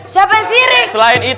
siapa yang syrik